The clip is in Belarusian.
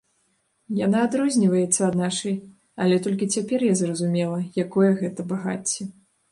Яна адрозніваецца ад нашай, але толькі цяпер я зразумела, якое гэта багацце.